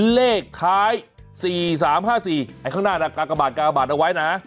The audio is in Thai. เลขท้าย๔๓๕๔ไอ้ข้างหน้าน่ะกากบาทกากบาทเอาไว้นะ